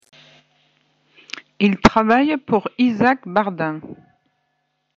Il travaille pour Isaac Bardin.